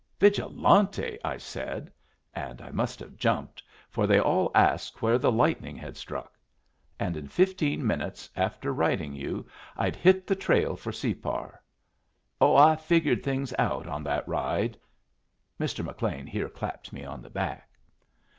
'Vigilante!' I said; and I must have jumped, for they all asked where the lightning had struck. And in fifteen minutes after writing you I'd hit the trail for Separ. Oh, I figured things out on that ride!" (Mr. McLean here clapped me on the back.)